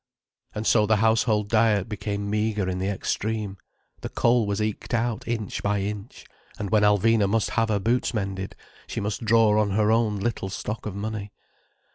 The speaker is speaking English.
And so the household diet became meagre in the extreme, the coal was eked out inch by inch, and when Alvina must have her boots mended she must draw on her own little stock of money.